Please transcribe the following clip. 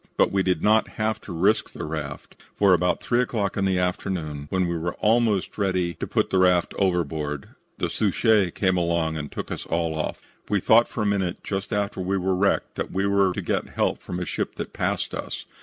But we did not have to risk the raft, for about 3 o'clock in the afternoon, when we were almost ready to put the raft overboard, the Suchet came along and took us all off. We thought for a minute just after we were wrecked that we were to get help from a ship that passed us.